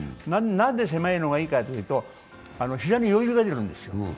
何で狭いのがいいのかというと、膝に余裕が出てくるんです。